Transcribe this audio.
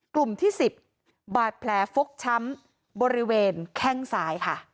กลุ่มที่๑๐บาดแผลฟกช้ำบริเวณแข้งซ้ายค่ะ